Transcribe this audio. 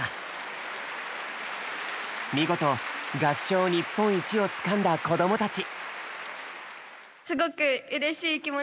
見事合唱日本一をつかんだ子供たち。